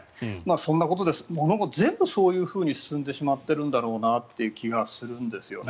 そんなことで全部そういうふうに進んでしまっているんだろうなという気がするんですよね。